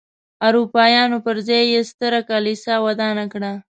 اروپایانو پر ځای یې ستره کلیسا ودانه کړه.